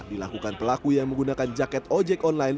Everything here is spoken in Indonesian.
dilakukan pelaku yang menggunakan jaket ojek online